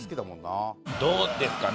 どうですかね？